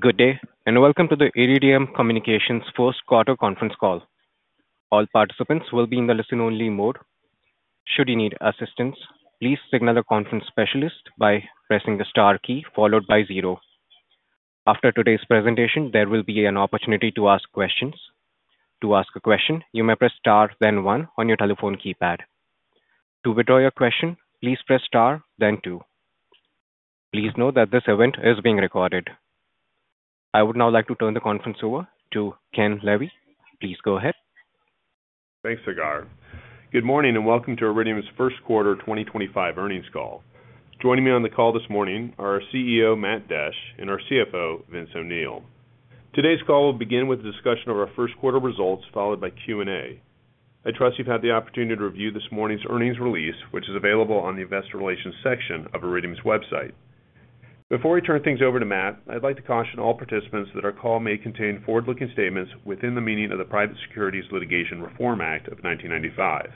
Good day and welcome to the Iridium Communications first quarter conference call. All participants will be in the listen only mode. Should you need assistance, please signal a conference specialist by pressing the star key followed by zero. After today's presentation, there will be an opportunity to ask questions. To ask a question, you may press star then one on your telephone keypad. To withdraw your question, please press star then two. Please note that this event is being recorded. I would now like to turn the conference over to Ken Levy. Please go ahead. Thanks. Good morning and welcome to Iridium's first quarter 2025 earnings call. Joining me on the call this morning are our CEO Matt Desch and our CFO Vince O'Neill. Today's call will begin with a discussion of our first quarter results followed by Q&A. I trust you've had the opportunity to review this morning's earnings release which is available on the Investor Relations section of Iridium's website. Before I turn things over to Matt, I'd like to caution all participants that our call may contain forward looking statements within the meaning of the Private Securities Litigation Reform Act of 1995.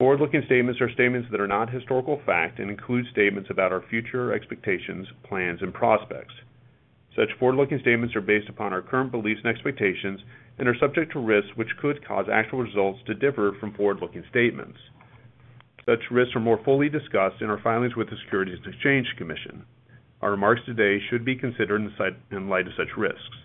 Forward looking statements are statements that are not historical fact and include statements about our future expectations, plans and prospects. Such forward looking statements are based upon our current beliefs and expectations and are subject to risks which could cause actual results to differ from forward looking statements. Such risks are more fully discussed in our filings with the Securities and Exchange Commission. Our remarks today should be considered in light of such risks.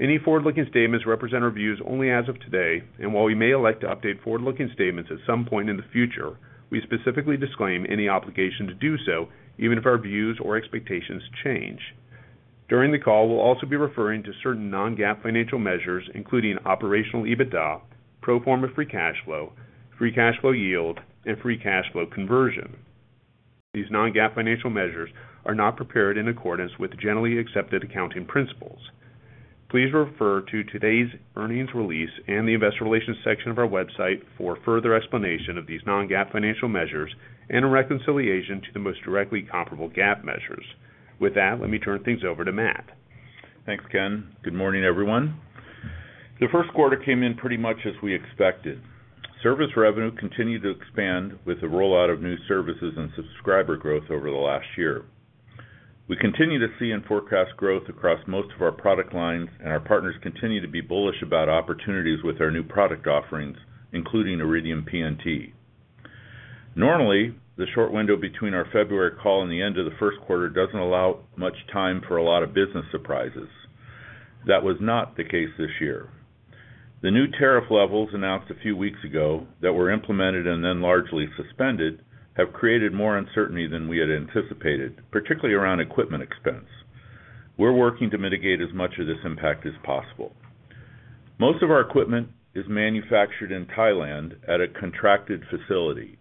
Any forward looking statements represent our views only as of today and while we may elect to update forward looking statements at some point in the future, we specifically disclaim any obligation to do so, even if our views or expectations change during the call. We will also be referring to certain non-GAAP financial measures including operational EBITDA, pro forma free cash flow, free cash flow yield, and free cash flow conversion. These non-GAAP financial measures are not prepared in accordance with Generally Accepted Accounting Principles. Please refer to today's earnings release and the Investor Relations section of our website for further explanation of these non-GAAP financial measures and a reconciliation to the most directly comparable GAAP measures. With that, let me turn things over to Matt. Thanks, Ken. Good morning everyone. The first quarter came in pretty much as we expected. Service revenue continued to expand with the rollout of new services and subscriber growth. Over the last year. We continue to see and forecast growth. Across most of our product lines. Our partners continue to be bullish about opportunities with our new product offerings including Iridium PNT. Normally, the short window between our February call and the end of the first quarter does not allow much time for a lot of business surprises. That was not the case this year. The new tariff levels announced a few weeks ago that were implemented and then largely suspended have created more uncertainty than we had anticipated, particularly around equipment expense. We are working to mitigate as much of. This impact as possible. Most of our equipment is manufactured in Thailand at a contracted facility.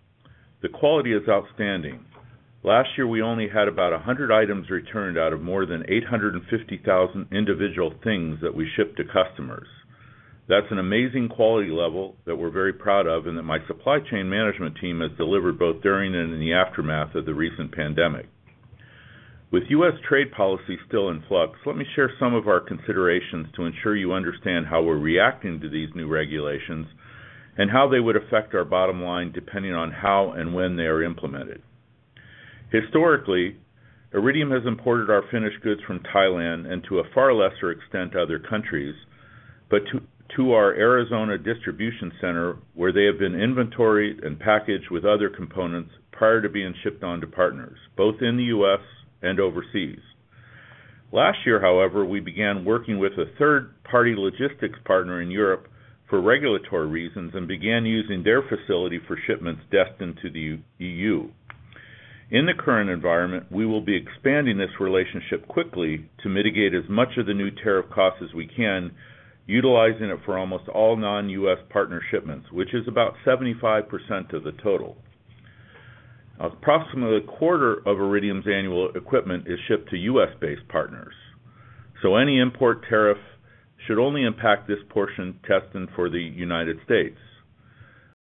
The quality is outstanding. Last year we only had about 100 items returned out of more than 850,000 individual things that we shipped to customers. That's an amazing quality level that we're very proud of and that my supply chain management team has delivered both during and in the aftermath of the recent pandemic. With U.S. trade policy still in flux, let me share some of our considerations to ensure you understand how we're reacting to these new regulations and how they would affect our bottom line depending on how and when they are implemented. Historically, Iridium has imported our finished goods from Thailand and to a far lesser extent other countries, but to our Arizona distribution center where they have been inventoried and packaged with other components prior to being shipped on to partners both in the U.S. and overseas. Last year, however, we began working with a third party logistics partner in Europe for regulatory reasons and began using their facility for shipments destined to the U.S. In the current environment, we will be expanding this relationship quickly to mitigate as much of the new tariff cost as we can, utilizing it for almost all non-U.S. partner shipments, which is about 75% of the total. Approximately a quarter of Iridium's annual equipment is shipped to U.S.-based partners, so any import tariff should only impact this portion. For the United States,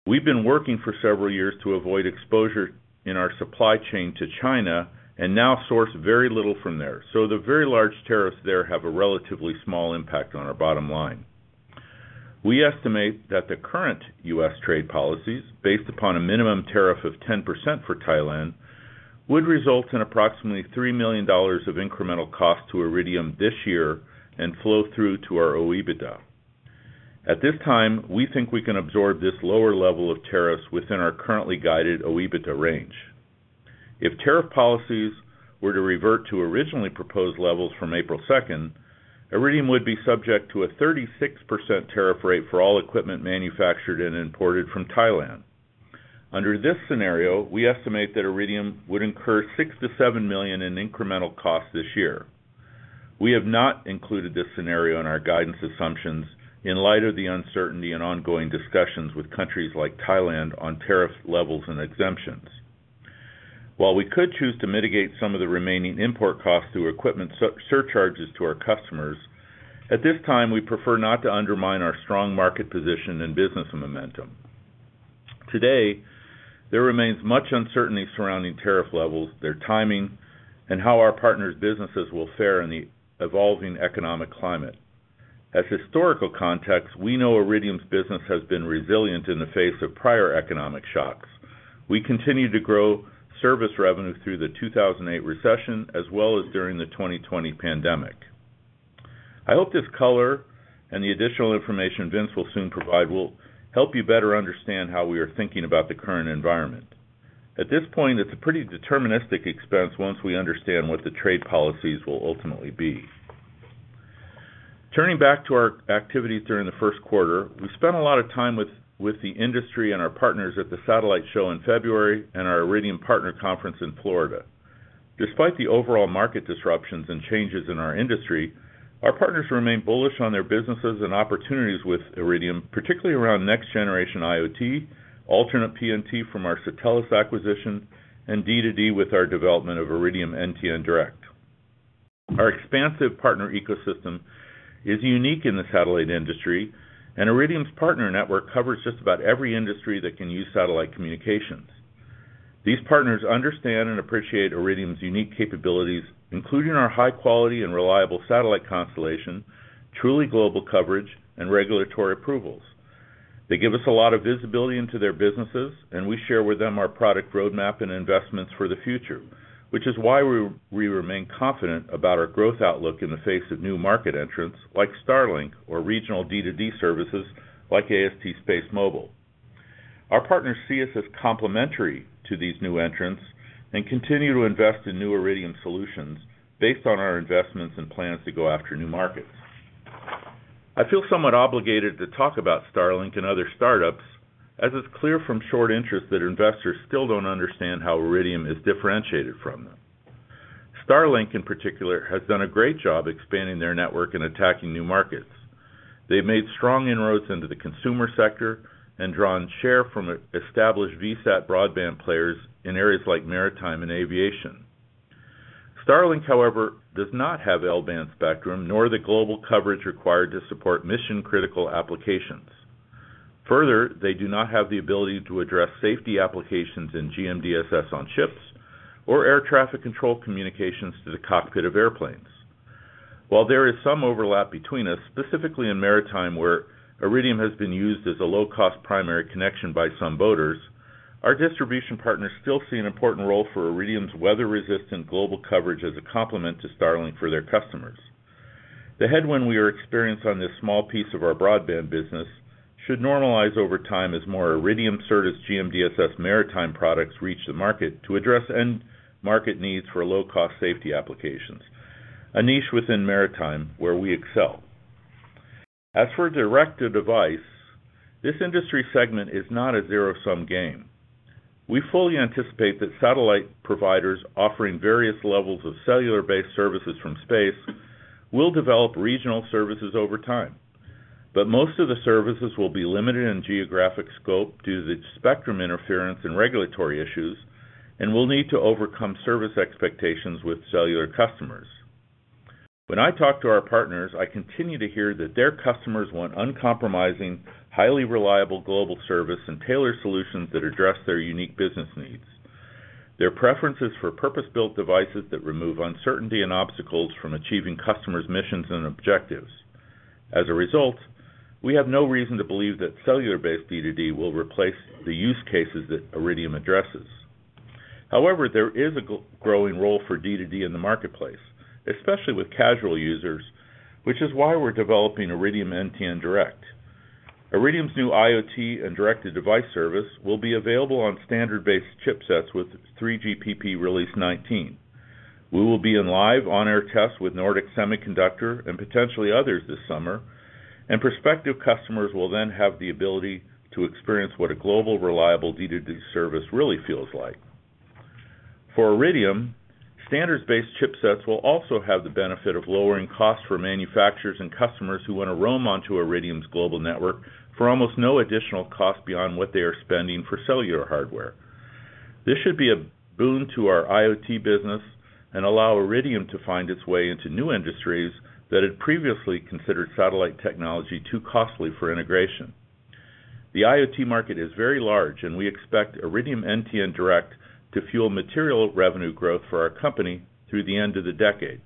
we've been working for several years to avoid exposure in our supply chain to China and now source very little from there. The very large tariffs there have a relatively small impact on our bottom line. We estimate that the current U.S. trade policies, based upon a minimum tariff of 10% for Thailand, would result in approximately $3 million of incremental cost to Iridium this year and flow through to our OEBITDA. At this time, we think we can absorb this lower level of tariffs within our currently guided OEBITDA range. If tariff policies were to revert to originally proposed levels from April 2nd, Iridium would be subject to a 36% tariff rate for all equipment manufactured and imported from Thailand. Under this scenario, we estimate that Iridium would incur $6 million-$7 million in incremental costs this year. We have not included this scenario in our guidance assumptions in light of the uncertainty and ongoing discussions with countries like Thailand on tariff levels and exemptions. While we could choose to mitigate some of the remaining import costs through equipment surcharges to our customers at this time, we prefer not to undermine our strong market position and business momentum. Today, there remains much uncertainty surrounding tariff levels, their timing, and how our partners' businesses will fare in the evolving economic climate. As historical context, we know Iridium's business has been resilient in the face of prior economic shocks. We continued to grow service revenue through the 2008 recession as well as during the 2020 pandemic. I hope this color and the additional information Vince will soon provide will help you better understand how we are thinking about the current environment. At this point, it's a pretty deterministic expense once we understand what the trade is. Policies will ultimately be turning back to. Our activities during the first quarter, we spent a lot of time with the industry and our partners at the Satellite show in February and our Iridium Partner Conference in Florida. Despite the overall market disruptions and changes in our industry, our partners remain bullish on their businesses and opportunities with Iridium, particularly around next generation IoT, alternate PNT from our Satellis acquisition, and D2D with our development of Iridium NTN Direct. Our expansive partner ecosystem is unique in the satellite industry and Iridium's partner network covers just about every industry that can use satellite communications. These partners understand and appreciate Iridium's unique capabilities, including our high quality and reliable satellite constellation, truly global coverage, and regulatory approvals. They give us a lot of visibility into their businesses and we share with them our product roadmap and investments for the future, which is why we remain confident about our growth outlook in the face of new market entrants like Starlink or regional D2D services like AST Space Mobile. Our partners see us as complementary to these new entrants and continue to invest in new Iridium solutions. Based on our investments and plans to. Go after new markets, I feel somewhat. Obligated to talk about Starlink and other startups as it's clear from short interest that investors still don't understand how Iridium is differentiated from them. Starlink in particular has done a great job expanding their network and attacking new markets. They've made strong inroads into the consumer sector and drawn share from established VSAT broadband players in areas like maritime and aviation. Starlink, however, does not have L-band spectrum nor the global coverage required to support mission critical applications. Further, they do not have the ability to address safety applications in GMDSS on ships or air traffic control communications to the cockpit of airplanes. While there is some overlap between us, specifically in maritime where Iridium has been used as a low cost primary connection by some boaters, our distribution partners still see an important role for Iridium's weather resistant global coverage as a complement to Starlink for their customers. The headwind we are experiencing on this small piece of our broadband business should normalize over time as more Iridium Certus GMDSS maritime products reach the market to address end market needs for low cost safety applications, a niche within maritime where we excel. As for direct to device, this industry segment is not a zero sum game. We fully anticipate that satellite providers offering various levels of cellular-based services from space will develop regional services over time, but most of the services will be limited in geographic scope due to spectrum interference and regulatory issues and will need to overcome service expectations with cellular customers. When I talk to our partners, I continue to hear that their customers want uncompromising, highly reliable global service and tailor solutions that address their unique business needs. Their preference is for purpose-built devices that remove uncertainty and obstacles from achieving customers' missions and objectives. As a result, we have no reason to believe that cellular-based D2D will replace the use cases that Iridium addresses. However, there is a growing role for D2D in the marketplace, especially with casual users, which is why we're developing Iridium NTN Direct. Iridium's new IoT and direct to device service will be available on standards-based chipsets with 3GPP Release 19. We will be in live on-air tests with Nordic Semiconductor and potentially others this summer and prospective customers will then have the ability to experience what a global reliable D2D service really feels like for Iridium. Standards-based chipsets will also have the benefit of lowering costs for manufacturers and customers who want to roam onto Iridium's global network for almost no additional cost beyond what they are spending for cellular hardware. This should be a boon to our IoT business and allow Iridium to find its way into new industries that had previously considered satellite technology too costly for integration. The IoT market is very large and we expect Iridium NTN Direct to fuel material revenue growth for our company through the end of the decade.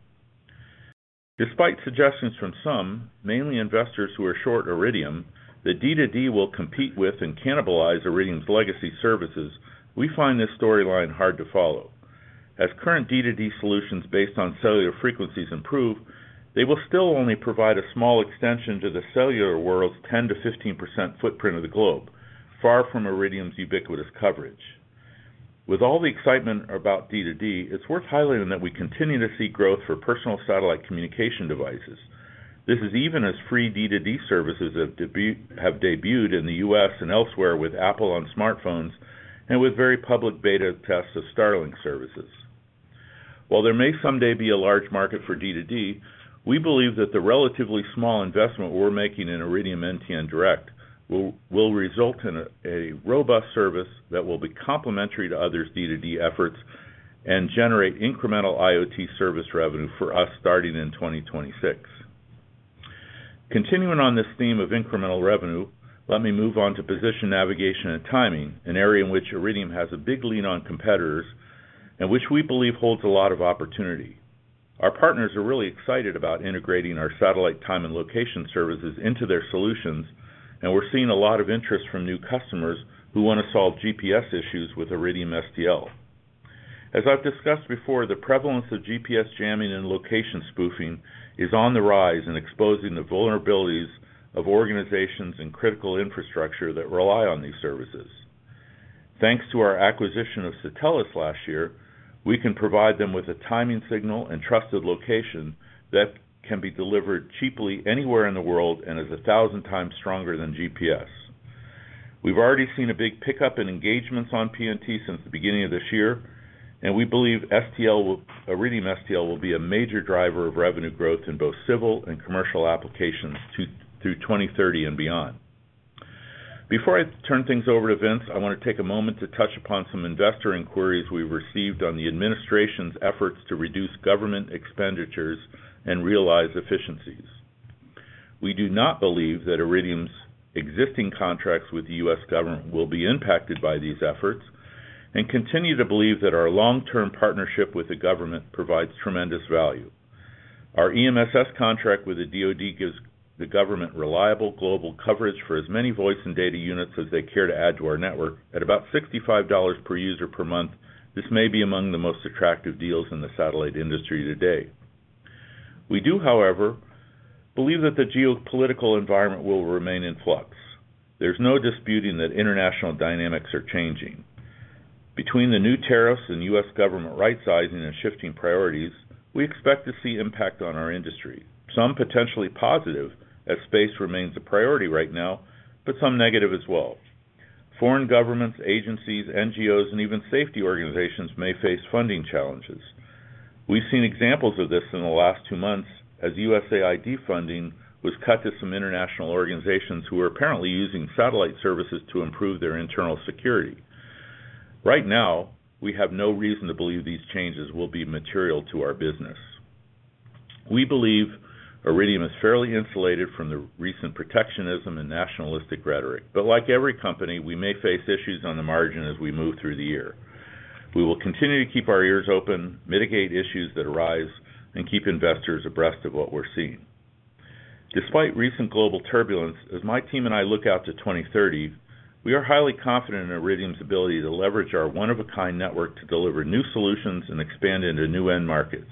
Despite suggestions from some, mainly investors who are short Iridium, that D2D will compete with and cannibalize Iridium's legacy services, we find this storyline hard to follow as current D2D solutions based on cellular frequencies improve, they will still only provide a small extension to the cellular world's 10-15% footprint of the globe, far from Iridium's ubiquitous coverage. With all the excitement about D2D, it's worth highlighting that we continue to see growth for personal satellite communication devices. This is even as free D2D services have debuted in the U.S. and elsewhere with Apple on smartphones and with very public beta tests of Starlink services. While there may someday be a large market for D2D, we believe that the relatively small investment we're making in Iridium NTN Direct will result in a robust service that will be complementary to others' D2D efforts and generate incremental IoT service revenue for us starting in 2026. Continuing on this theme of incremental revenue, let me move on to position navigation and timing, an area in which Iridium has a big lean on competitors and which we believe holds a lot of opportunity. Our partners are really excited about integrating our satellite time and location services into their solutions, and we're seeing a lot of interest from new customers who want to solve GPS issues with Iridium STL. As I've discussed before, the prevalence of GPS jamming and location spoofing is on the rise in exposing the vulnerabilities of organizations and critical infrastructure that rely on these services. Thanks to our acquisition of Satellis last year, we can provide them with a timing signal and trusted location that can be delivered cheaply anywhere in the world and is a thousand times stronger than GPS. We've already seen a big pickup in engagements on PNT since the beginning of this year, and we believe Iridium STL will be a major driver of revenue growth in both civil and commercial applications through 2030 and beyond. Before I turn things over to Vince, I want to take a moment to touch upon some investor inquiries we've received on the administration's efforts to reduce government expenditures and realize efficiencies. We do not believe that Iridium's existing contracts with the U.S. Government will be impacted by these efforts and continue to believe that our long-term partnership with the government provides tremendous value. Our EMSS contract with the DoD gives the government reliable global coverage for as many voice and data units as they care to add to our network. At about $65 per user per month, this may be among the most attractive deals in the satellite industry today. We do, however, believe that the geopolitical environment will remain in flux. There is no disputing that international dynamics are changing. Between the new tariffs and U.S. Government rightsizing and shifting priorities, we expect to see impact on our industry, some potentially positive as space remains a priority right now, but some negative as well. Foreign governments, agencies, NGOs, and even safety organizations may face funding challenges. We've seen examples of this in the last two months as USAID funding was cut to some international organizations who are apparently using satellite services to improve their internal security. Right now, we have no reason to believe these changes will be material to our business. We believe Iridium is fairly insulated from the recent protectionism and nationalistic rhetoric, but like every company, we may face issues. On the margin as we move through the year. We will continue to keep our ears open, mitigate issues that arise, and keep investors abreast of what we're seeing despite recent global turbulence. As my team and I look out to 2030, we are highly confident in Iridium's ability to leverage our one-of-a-kind network to deliver new solutions and expand into new end markets.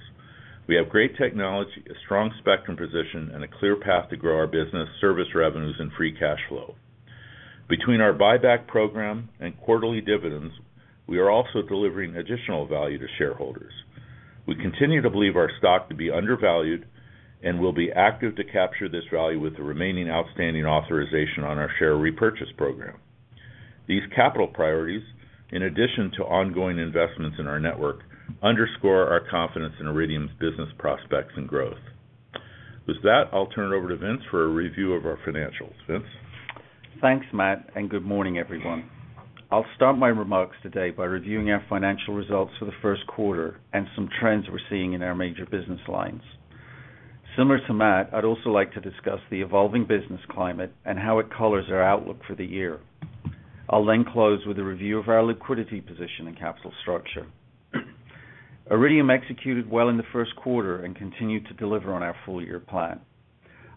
We have great technology, a strong spectrum position, and a clear path to grow our business service revenues and free cash flow. Between our buyback program and quarterly dividends, we are also delivering additional value to shareholders. We continue to believe our stock to be undervalued and will be active to capture this value with the remaining outstanding. Authorization on our share repurchase program. These capital priorities, in addition to ongoing investments in our network, underscore our confidence in Iridium's business prospects and growth. With that, I'll turn it over to Vince for a review of our financials. Vince, thanks Matt, and good morning everyone. I'll start my remarks today by reviewing our financial results for the first quarter and some trends we're seeing in our major business lines. Similar to Matt, I'd also like to discuss the evolving business climate and how it colors our outlook for the year. I'll then close with a review of our liquidity, position, and capital structure. Iridium executed well in the first quarter and continued to deliver on our full year plan.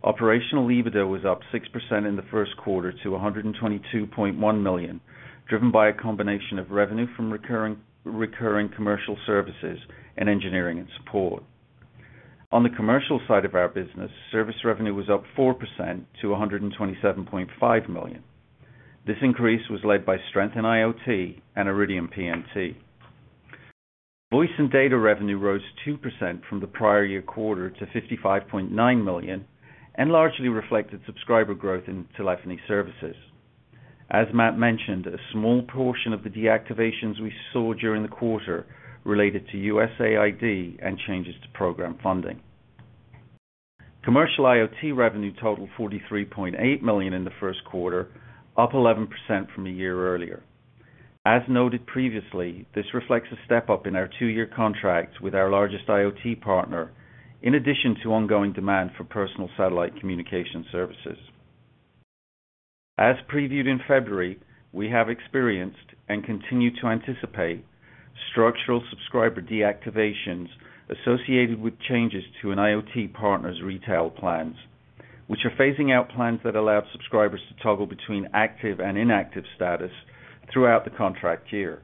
Operational EBITDA was up 6% in the first quarter to $122.1 million, driven by a combination of revenue from recurring commercial services and engineering and support. On the commercial side of our business, service revenue was up 4% to $127.5 million. This increase was led by strength in IoT and Iridium. PNT voice and data revenue rose 2% from the prior year quarter to $55.9 million and largely reflected subscriber growth in telephony services. As Matt mentioned, a small portion of the deactivations we saw during the quarter related to USAID and changes to program funding. Commercial IoT revenue totaled $43.8 million in the first quarter, up 11% from a year earlier. As noted previously, this reflects a step up in our two year contract with our largest IoT partner. In addition to ongoing demand for personal satellite communication services as previewed in February, we have experienced and continue to anticipate structural subscriber deactivations associated with changes to an IoT partner's retail plans, which are phasing out plans that allow subscribers to toggle between active and inactive status throughout the contract year.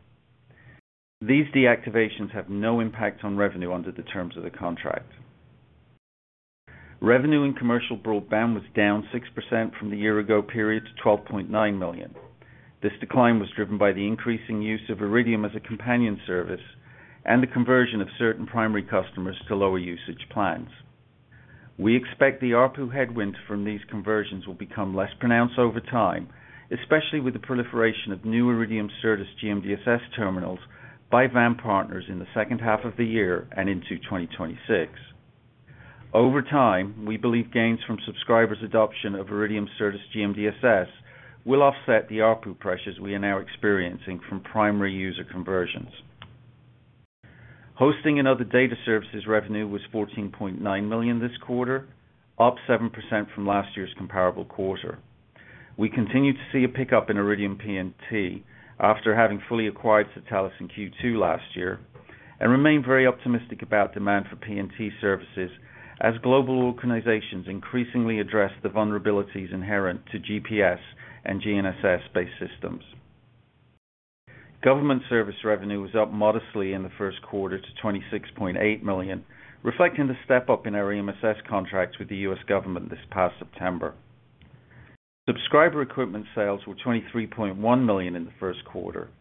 These deactivations have no impact on revenue. Under the terms of the contract, revenue in commercial broadband was down 6% from the year ago period to $12.9 million. This decline was driven by the increasing use of Iridium as a companion service and the conversion of certain primary customers to lower usage plans. We expect the ARPU headwind from these conversions will become less pronounced over time, especially with the proliferation of new Iridium Certus GMDSS terminals by VAM partners in the second half of the year and into 2026. Over time, we believe gains from subscribers' adoption of Iridium Certus GMDSS will offset the ARPU pressures we are now experiencing from primary user conversions, hosting and other data services. Revenue was $14.9 million this quarter, up 7% from last year's comparable quarter. We continue to see a pickup in Iridium PNT after having fully acquired Satellis in Q2 last year and remain very optimistic about demand for PNT services as global organizations increasingly address the vulnerabilities inherent to GPS and GNSS based systems. Government service revenue was up modestly in the first quarter to $26.8 million, reflecting the step up in our EMSS contracts with the U.S. government this past September. Subscriber equipment sales were $23.1 million in the first quarter,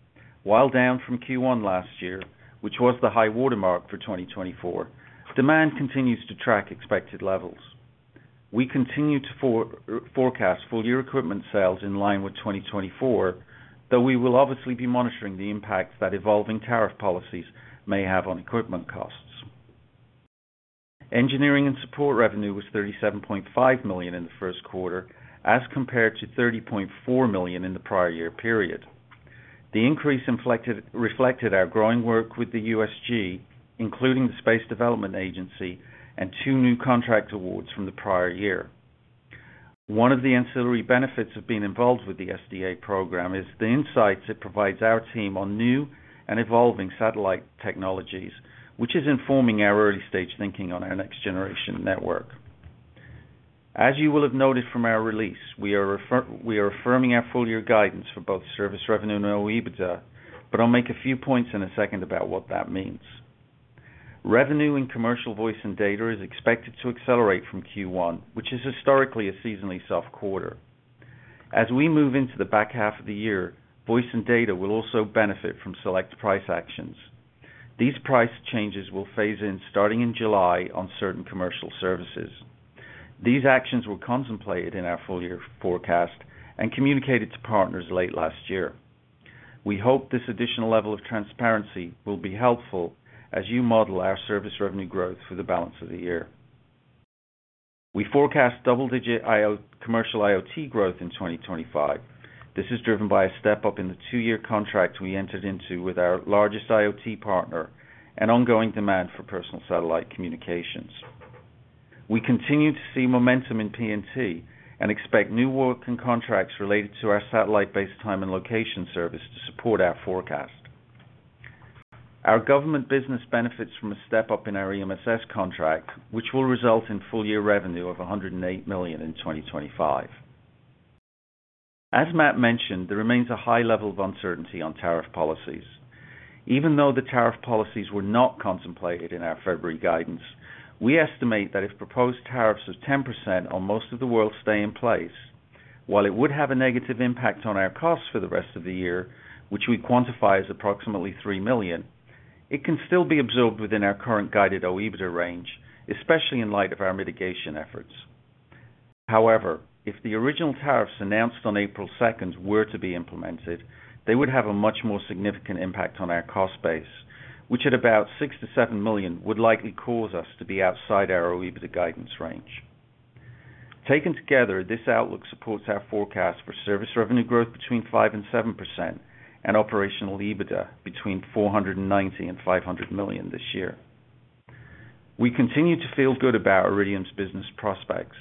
while down from Q1 last year which was the high watermark for 2024, demand continues to track expected levels. We continue to forecast full year equipment sales in line with 2024, though we will obviously be monitoring the impact that evolving tariff policies may have on equipment costs. Engineering and support revenue was $37.5 million in the first quarter as compared to $30.4 million in the prior year period. The increase reflected our growing work with the USG, including the Space Development Agency and two new contract awards from the prior year. One of the ancillary benefits of being involved with the SDA program is the insights it provides our team on new and evolving satellite technologies, which is informing our early stage thinking on our next generation network. As you will have noted from our release, we are affirming our full year guidance for both service revenue and OEBITDA, but I'll make a few points in a second about what that means. Revenue in commercial voice and data is expected to accelerate from Q1, which is historically a seasonally soft quarter, as we move into the back half of the year. Voice and data will also benefit from select price actions. These price changes will phase in starting in July on certain commercial services. These actions were contemplated in our full year forecast and communicated to partners late last year. We hope this additional level of transparency will be helpful as you model our service revenue growth for the balance of the year. We forecast double-digit commercial IoT growth in 2025. This is driven by a step up in the two-year contract we entered with our largest IoT partner and ongoing demand for personal satellite communications. We continue to see momentum in PNT and expect new work and contracts related to our satellite-based time and location service to support our forecast. Our government business benefits from a step up in our EMSS contract which will result in full year revenue of $108 million in 2025. As Matt mentioned, there remains a high level of uncertainty on tariff policies, even though the tariff policies were not contemplated in our February guidance. We estimate that if proposed tariffs of 10% on most of the world stay in place, while it would have a negative impact on our costs for the rest of the year, which we quantify as approximately $3 million, it can still be absorbed within our current guided OEBITDA range, especially in light of our mitigation efforts. However, if the original tariffs announced on April 2nd were to be implemented, they would have a much more significant impact on our cost base, which at about $6-$7 million would likely cause us to be outside our OEBITDA guidance range. Taken together, this outlook supports our forecast for service revenue growth between 5% and 7% and operational EBITDA between $490 million-$500 million this year. We continue to feel good about Iridium's business prospects.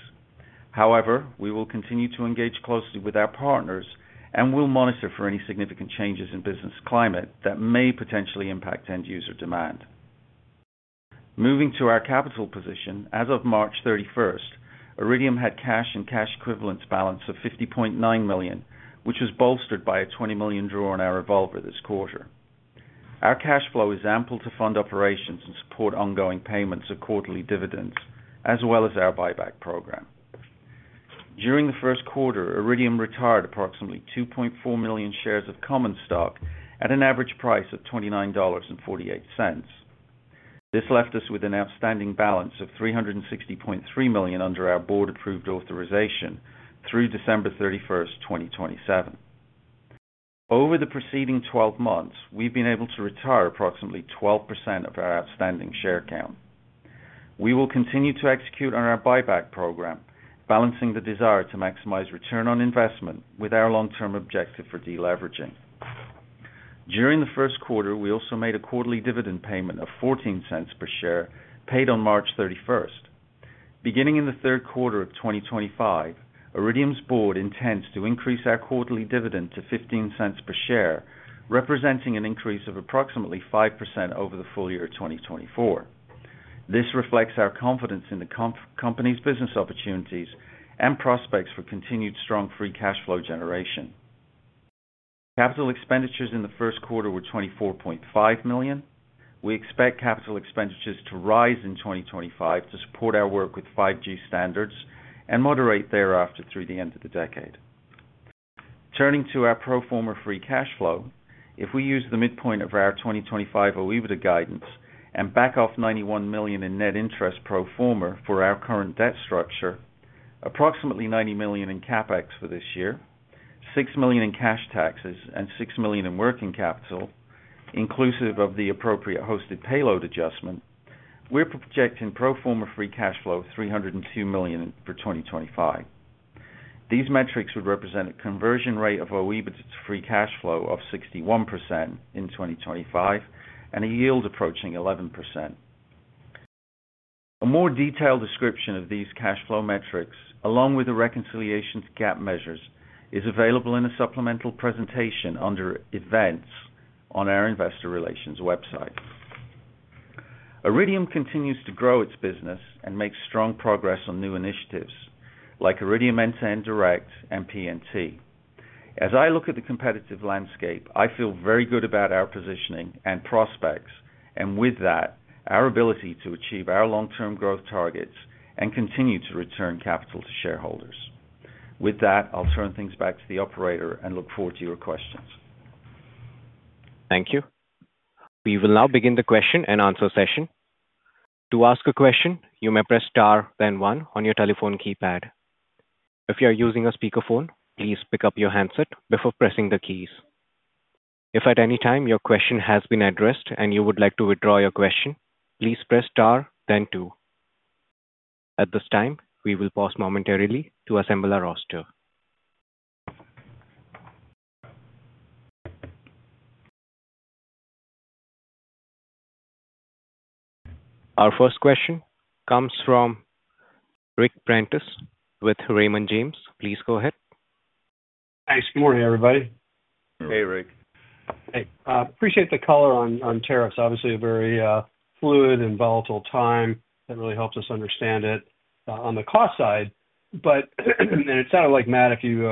However, we will continue to engage closely with our partners and will monitor for any significant changes in business climate that may potentially impact end user demand. Moving to our capital position, as of March 31st Iridium had cash and cash equivalents balance of $50.9 million, which was bolstered by a $20 million draw on our revolver this quarter. Our cash flow is ample to fund operations and support ongoing payments of quarterly dividends as well as our buyback program. During the first quarter, Iridium retired approximately 2.4 million shares of common stock at an average price of $29.48. This left us with an outstanding balance of $360.3 million under our board approved authorization through December 31st, 2027. Over the preceding 12 months, we've been able to retire approximately 12% of our outstanding share count. We will continue to execute on our buyback program, balancing the desire to maximize return on investment with our long-term objective for deleveraging. During the first quarter, we also made a quarterly dividend payment of $0.14 per share paid on March 31st. Beginning in the third quarter of 2025, Iridium's board intends to increase our quarterly dividend to $0.15 per share, representing an increase of approximately 5% over the full year 2024. This reflects our confidence in the company's business opportunities and prospects for continued strong free cash flow generation. Capital expenditures in the first quarter were $24.5 million. We expect capital expenditures to rise in 2025 to support our work with 5G standards and moderate thereafter through the end of the decade. Turning to our pro forma free cash flow, if we use the midpoint of our 2025 OEBITDA guidance and back off $91 million in net interest pro forma for our current debt structure, approximately $90 million in CapEx for this year, $6 million in cash taxes and $6 million in working capital inclusive of the appropriate hosted payload adjustment, we're projecting pro forma free cash flow $302 million for 2025. These metrics would represent a conversion rate of OEBIT to free cash flow of 61% in 2025 and a yield approaching 11%. A more detailed description of these cash flow metrics along with the reconciliation to GAAP measures is available in a supplemental presentation under Events on our Investor Relations website. Iridium continues to grow its business and makes strong progress on new initiatives like Iridium NTN Direct and PNT. As I look at the competitive landscape, I feel very good about our positioning and prospects and with that our ability to achieve our long term growth targets and continue to return capital to shareholders. With that, I'll turn things back to the operator and look forward to your questions. Thank you. We will now begin the question and answer session. To ask a question, you may press Star then one on your telephone keypad. If you are using a speakerphone, please pick up your handset before pressing the keys. If at any time your question has been addressed and you would like to withdraw your question, please press Star then two. At this time, we will pause momentarily to assemble our roster. Our first question comes from Ric Prentiss with Raymond James. Please go ahead. Thanks. Good morning, everybody. Hey, Ric. Appreciate the color on tariffs. Obviously a very fluid and volatile time. That really helps us understand it on the cost side. It sounded like, Matt, if you,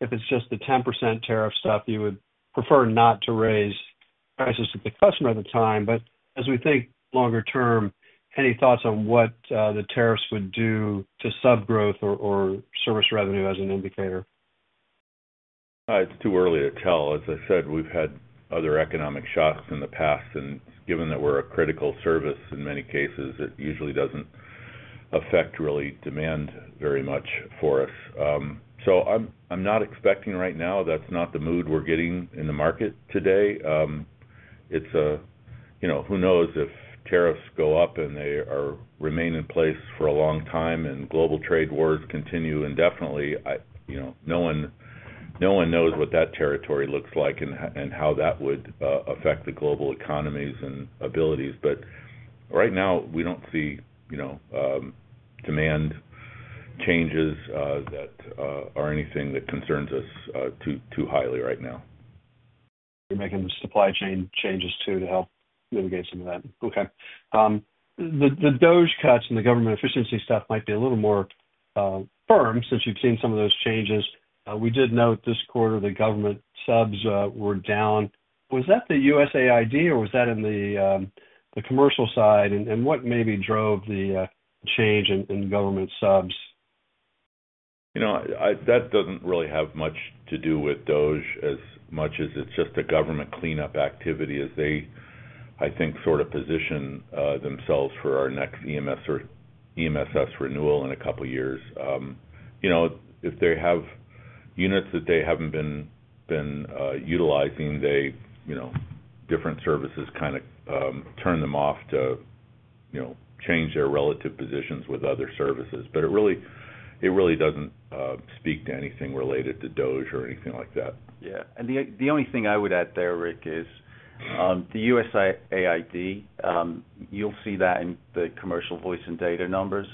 if it's just the 10% tariff stuff, you would prefer not to raise prices to the customer at the time. As we think longer term, any thoughts on what the tariffs would do to sub growth or service revenue as an indicator? It's too early to tell. As I said, we've had other economic shocks in the past and given that we're a critical service in many cases, it usually doesn't affect really demand very much for us. I'm not expecting right now, that's not the mood we're getting in the market today. It's a, you know, who knows if tariffs go up and they remain in place for a long time and global trade wars continue indefinitely. You know, no one knows what that territory looks like and how that would affect the global economy, economies and abilities. Right now we don't see, you know, demand changes that are anything that concerns us too highly. Right now you're making the supply chain changes too, to help mitigate some of that. Okay. The DOGE cuts in the government efficiency stuff might be a little more firm since you've seen some of those changes. We did note this quarter the government subs were down. Was that the USAID or was that in the commercial side? What maybe drove the change in government subs? That doesn't really have much to do with DOGE as much as it's just a government cleanup activity. As they, I think, sort of position themselves for our next EMSS renewal in a couple years. You know, if they have units that they haven't been utilizing, they, you know, different services kind of turn them off to, you know, change their relative positions with other services. It really doesn't speak to anything related to DOGE or anything like that. Yeah, and the only thing I would add there, Ric, is the USAID. You'll see that in the commercial voice and data numbers.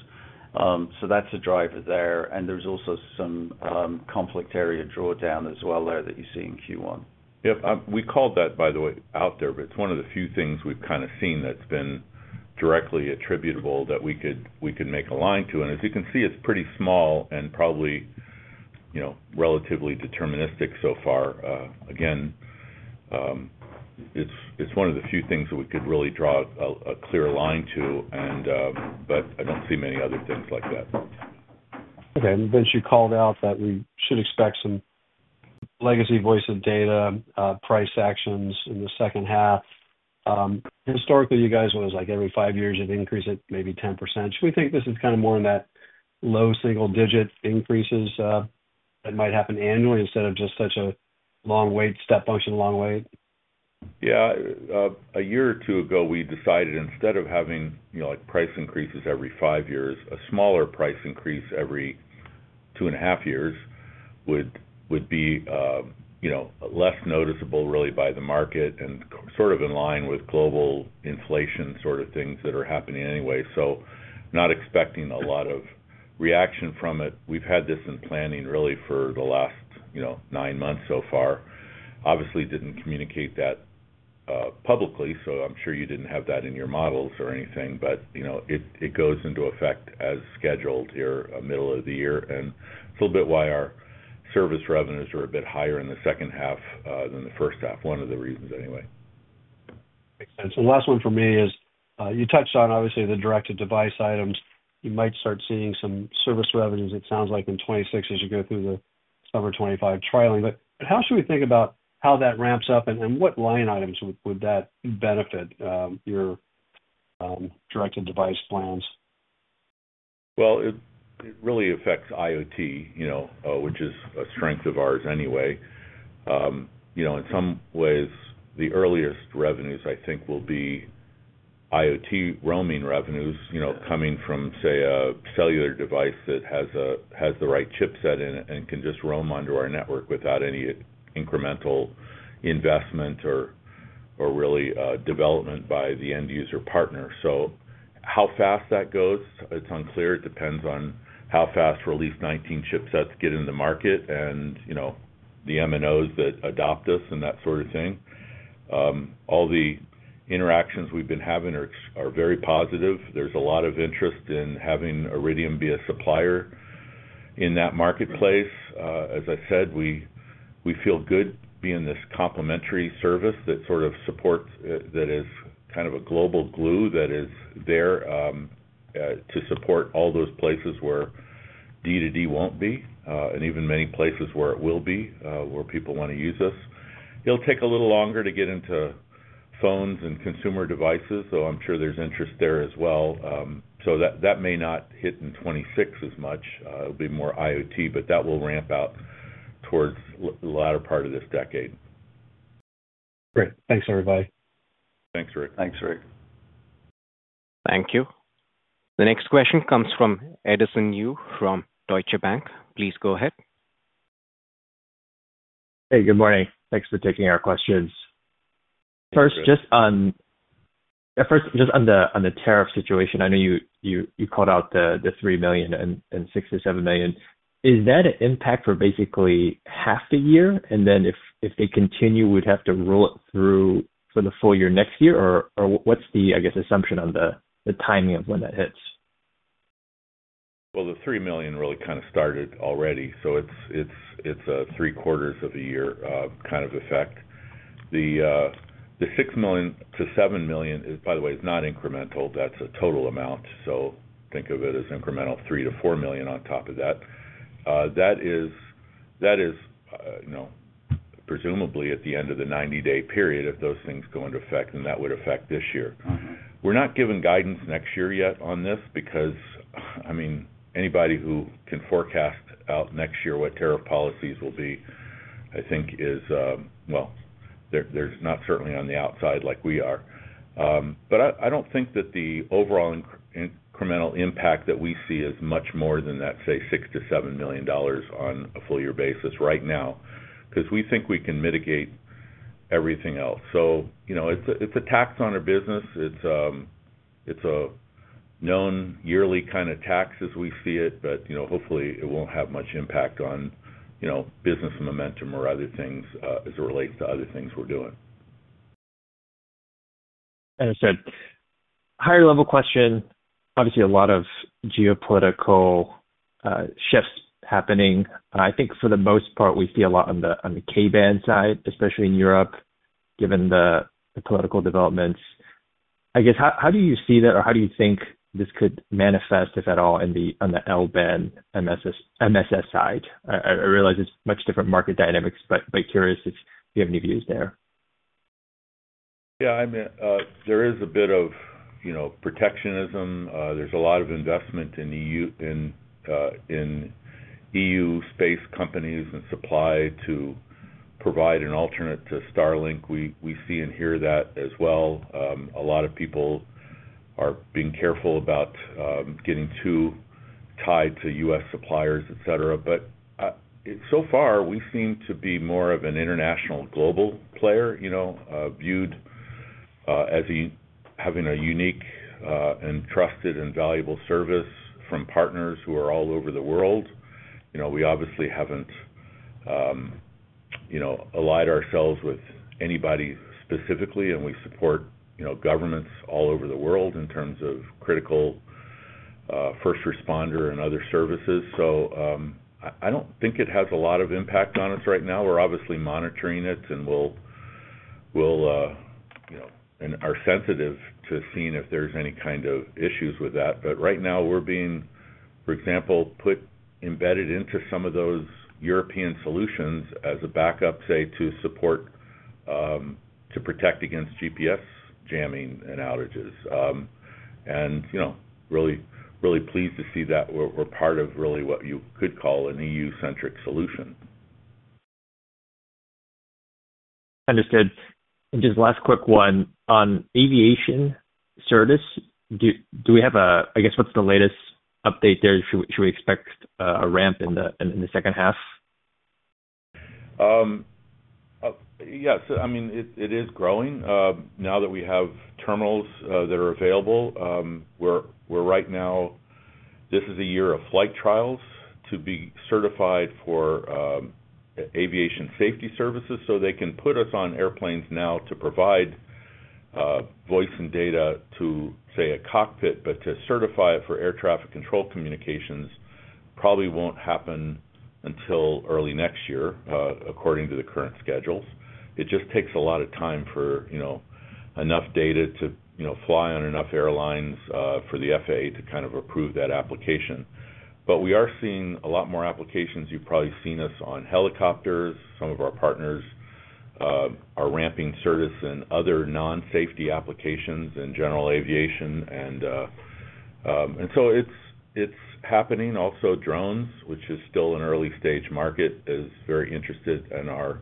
That is a driver there. There is also some conflict area drawdown as well there that you see in Q1. Yep. We called that, by the way, out there. It is one of the few things we have kind of seen that has been directly attributable that we could make a line to. As you can see, it is pretty small and probably, you know, relatively deterministic. So far, again, one of the few things that we could really draw a clear line to, but I do not see many other things like that. Okay, Vince, you called out that we should expect some legacy voice or data price actions in the second half. Historically you guys was like every five years you'd increase it maybe 10%. Should we think this is kind of more in that low single digit increases that might happen annually instead of just such a long wait, step function. Long wait, yeah. A year or two ago we decided instead of having price increases every five years, a smaller price increase every two and a half years would be less noticeable really by the market and sort of in line with global inflation sort of things that are happening anyway, so not expecting a lot of reaction from it. We've had this in place planning really for the last nine months so far. Obviously didn't communicate that publicly, so I'm sure you didn't have that in your models or anything. It goes into effect as scheduled here middle of the year. It's a little bit why our service revenues are a bit higher in the second half than the first half. One of the reasons anyway, the last. One for me is you touched on obviously the direct to device items. You might start seeing some service revenues, it sounds like in 2026 as you go through the summer 2025 trialing. How should we think about how that ramps up and what line items would that benefit your direct to device plans? It really affects IoT, which is a strength of ours anyway. In some ways, the earliest revenues I think will be IoT roaming revenues, you know, coming from say a cellular device that has the right chipset in it and can just roam onto our network without any incremental investment or really development by the end user partner. How fast that goes, it's unclear. It depends on how fast Release 19 chipsets get in the market. You know, the MNOs that adopt us and that sort of thing. All the interactions we've been having are very positive. There's a lot of interest in having Iridium be a supplier in that marketplace. As I said, we feel good being this complementary service that sort of supports, that is kind of a global glue that is there to support all those places where D2D won't be and even many places where it will be where people want to use us. It'll take a little longer to get. Into phones and consumer devices, I'm sure there's interest there as well. That may not hit in 2026 as much. It'll be more IoT, but that will ramp out towards the latter part of this decade. Great. Thanks everybody. Thanks, Ric. Thanks, Ric. Thank you. The next question comes from Edison Yu from Deutsche Bank. Please go ahead. Hey, good morning. Thanks for taking our questions first. Just on first, just under tariff situation, I know you called out the $3 million and $6 million-$7 million. Is that an impact for basically half the year and then if they continue, we'd have to roll it through for the full year next year or what's the, I guess assumption on the, the timing of when that hits? The $3 million really kind of started already, so it's a three quarters of a year kind of effect. The $6 million-$7 million by the way, is not incremental. That's a total amount. So think of it as incremental $3 million-$4 million on top of that, that is, you know, presumably at the end of the 90 day period if those things go into effect and that would affect this year. We're not given guidance next year yet on this because I mean, anybody who can forecast out next year what tariff policies will be, I think is. They're not certainly on the outside like we are, but I don't think that the overall incremental impact that we see is much more than that, say $6 million-$7 million on a full year basis right now because we think we can mitigate everything else. You know, it's a tax on our business. It's a known yearly kind of tax as we see it. You know, hopefully it won't have much impact on, you know, business momentum or other things as it relates to other things we're doing. Higher level question. Obviously a lot of geopolitical shifts happening. I think for the most part we see a lot on the K-band side, especially in Europe, given the political developments. I guess how do you see that or how do you think this could manifest if at all on the L-band MSS side? I realize it's much different market dynamics, but curious if you have any views there. Yeah, there is a bit of protectionism. There's a lot of investment in EU space companies and supply to provide an alternate to Starlink. We see and hear that as well. A lot of people are being careful about getting too tied to US suppliers, et cetera. So far we seem to be more of an international global player, you know, viewed as having a unique and trusted and valuable service from partners who are all over the world. You know, we obviously haven't, you know, allied ourselves with anybody specifically and we support, you know, governments all over the world in terms of critical first responder and other services. I don't think it has a lot of impact on us right now. We're obviously monitoring it and we are sensitive to seeing if there's any kind of issues with that. Right now we're being, for example, put embedded into some of those European solutions as a backup, say, to support to protect against GPS jamming and outages. You know, really, really pleased to see that we're part of really what you could call an EU centric solution. Understood. Just last quick one on aviation Certus, do we have a, I guess what's the latest update there? Should we expect a ramp in the, in the second half? Yes, I mean it is growing now that we have terminals that are available. We're right now this is a year of flight trials to be certified for aviation safety services. They can put us on airplanes now to provide voice and data to say a cockpit. To certify it for air traffic control communications probably won't happen until early next year according to the current schedules. It just takes a lot of time for, you know, enough data to, you know, fly on enough airlines for the FAA to kind of approve that application. We are seeing a lot more applications. You've probably seen us on helicopters, some of our partners are ramping Certus and other non safety applications in general aviation. It is happening also. Drones, which is still an early stage market, are very interested in our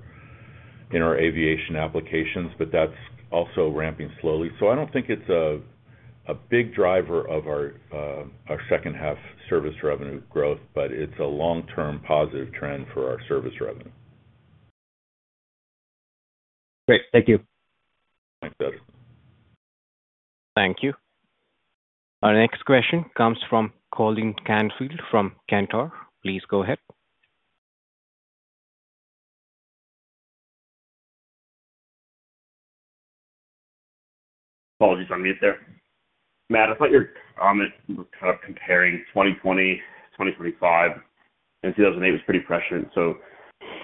aviation applications, but that is also ramping slowly. I do not think it is a big driver of our second half service revenue growth, but it is a long term positive trend for our service revenue. Great, thank you. Thank you. Our next question comes from Colin Michael Canfield from Cantor Fitzgerald & Co. Please go ahead. Apologies on mute there, Matt. I thought your comment comparing 2020, 2025 and 2008 was pretty prescient.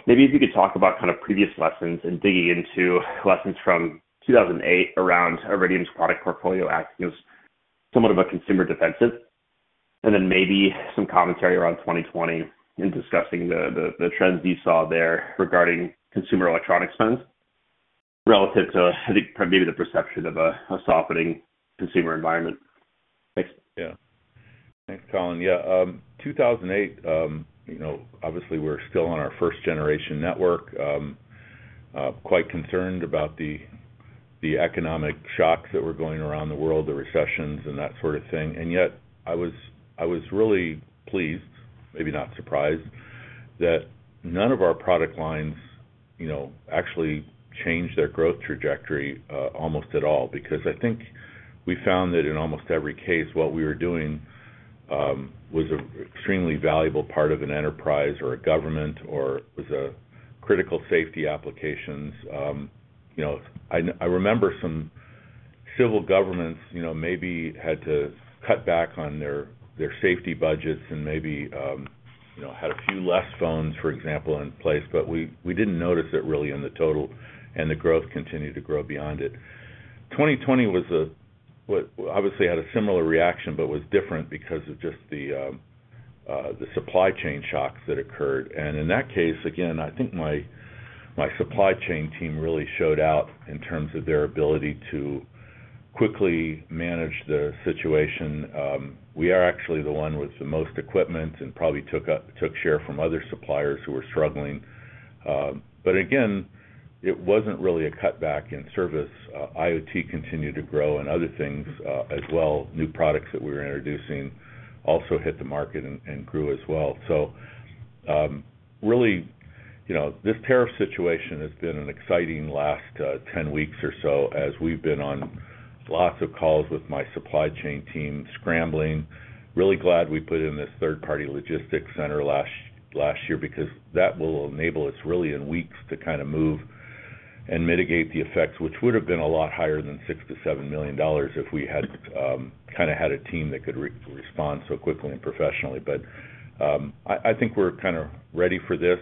Maybe if you could talk about kind of previous lessons and digging into lessons from 2008 around Iridium's product portfolio acting as somewhat of a consumer defensive. Maybe some commentary around 2020 and discussing the trends you saw there regarding consumer electronic spends relative to maybe the perception of a softening consumer environment. Thanks, Colin. Yeah. 2008, obviously we were still on our first generation network, quite concerned about the economic shocks that were going around the world, the recessions and that sort of thing. Yet I was really pleased, maybe not surprised, that none of our product lines actually changed their growth trajectory. Almost at all. I think we found that in almost every case what we were doing was an extremely valuable part of an enterprise or a government or was critical. Safety applications. I remember some civil governments maybe had to cut back on their safety budgets and maybe, you know, had a few less phones, for example, in place, but we did not notice it really in the total and the growth continued to grow beyond it. 2020 obviously had a similar reaction but was different because of just the supply chain shocks that occurred. In that case, again, I think my supply chain team really showed out in terms of their ability to quickly manage the situation. We are actually the one with the most equipment and probably took share from other suppliers who were struggling. It was not really a cutback in service. IoT continued to grow and other things as well. New products that we were introducing also hit the market and grew as well. This tariff situation has been an exciting, exciting last 10 weeks or so as we've been on lots of calls with my supply chain team scrambling. Really glad we put in this third-party logistics center last year because that will enable us really in weeks to kind of move and mitigate the effects, which would have been a lot higher than $6-7 million if we had kind of had a team that could respond so quickly and professionally. I think we're kind of ready for this.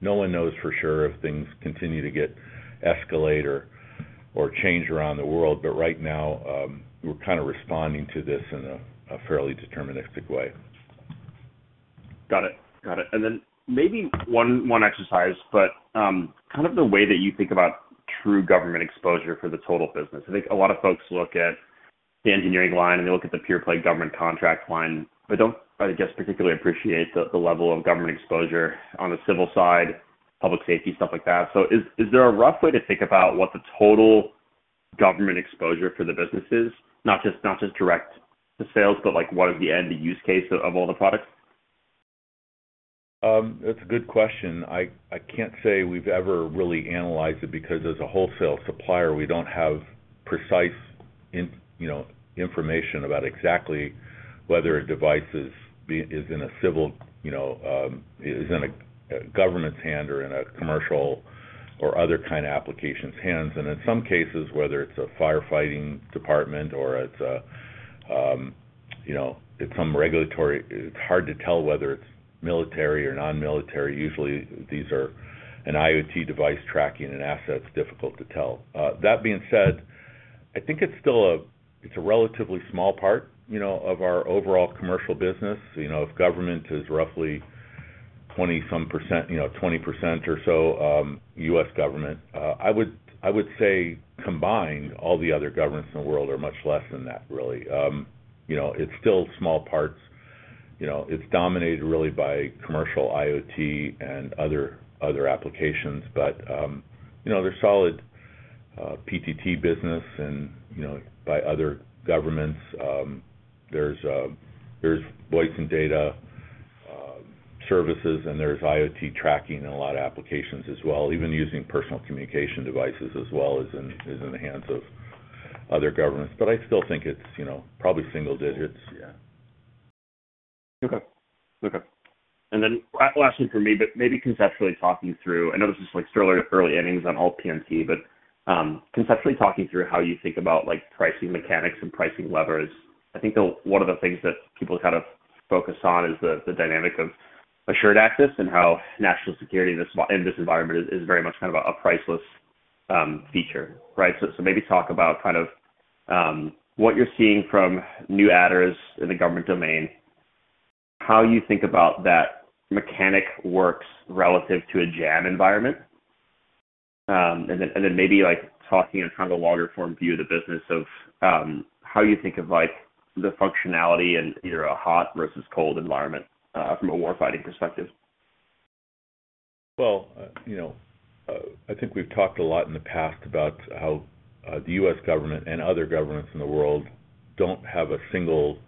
No one knows for sure if things continue to get escalate or change around the world. Right now we're kind of responding to this in a fairly deterministic way. Got it, got it. Maybe one exercise, but kind of the way that you think about true government exposure for the total business, I think a lot of folks look at the engineering line and they look at the pure play government contract line. I don't, I guess, particularly appreciate the level of government exposure on the civil side, public safety stuff like that. Is there a rough way to think about what the total government exposure for the business is? Not just, not just direct sales, but like what is the end use case of all the products? That's a good question. I can't say we've ever really analyzed it because as a wholesale supplier, we don't have precise information about exactly whether a device is in a civil, you know, is in a government's hand or in a commercial or other kind of application's hands. In some cases, whether it's a firefighting department or it's a, you know, it's some regulatory, it's hard to tell whether it's military or non-military. Usually these are an IoT device. Tracking and assets. Difficult to tell. That being said, I think it's still a, it's a relatively small part, you know, of our overall commercial business. You know, if government is roughly 20% or so U.S. government, I would say combined, all the other governments in the world are much less than that. Really, you know, it's still small parts. You know, it's dominated really by commercial IoT and other applications. You know, there's solid PTT business and, you know, by other governments. There's voice and data services and there's IoT tracking and a lot of applications as well. Even using personal communication devices as well is in the hands of other governments. I still think it's, you know, probably single digits. Yeah. Okay. Okay. Lastly for me, but maybe conceptually talking through, I know this is like sterling early innings on all PNT, but conceptually talking through how you think about like pricing mechanics and pricing levers, I think one of the things that people kind of focus on is the dynamic of assured access and how national security in this environment is very much kind of a priceless feature. Right. Maybe talk about kind of what you're seeing from new adders in the government domain, how you think about that mechanic works relative to a jam environment and then maybe like talking in kind of a longer form view of the business of how you think of the functionality in either a hot versus cold environment from a war fighting perspective. I think we've talked a lot in the past about how the U.S. government and other governments in the world don't have a single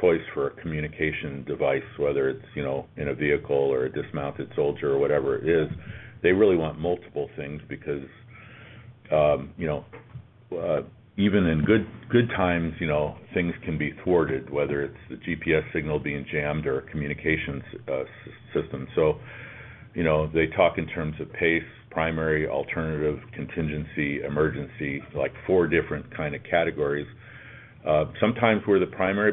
choice for a communication device. Whether it's, you know, in a vehicle or a dismounted soldier or whatever it is. They really want multiple things because, you know, even in good, good times, you know, things can be thwarted, whether it's the GPS signal being jammed or a communications system. You know, they talk in terms of PACE, primary, alternative, contingency, emergency, like four different kind of categories. Sometimes we're the primary,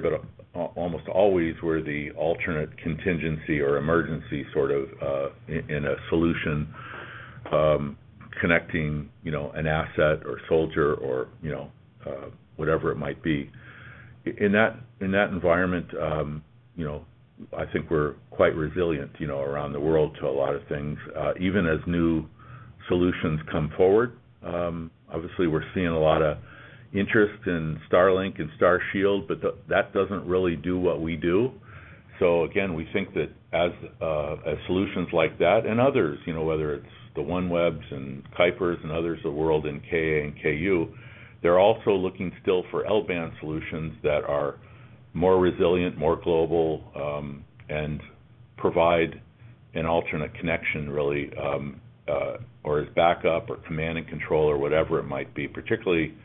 but almost always we're the alternate, contingency, or emergency, sort of in a solution connecting, you know, an asset or soldier or, you know, whatever it might be in that environment. You know, I think we're quite resilient around the world to a lot of things, even as new solutions come forward. Obviously we're seeing a lot of interest. In Starlink and Starshield, that doesn't. Really do what we do. Again, we think that as solutions like that and others, whether it's the OneWeb and Kuiper and others of the world in Ka and Ku, they're also looking still for L-band solutions that are more resilient, more global and provide an alternate connection really or as backup or command and control or whatever it might be, particularly